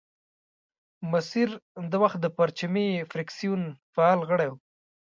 مسیر د وخت د پرچمي فرکسیون فعال غړی وو.